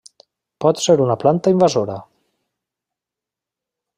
Pot ser una planta invasora.